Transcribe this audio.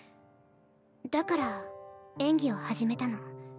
だから演技を始めたの。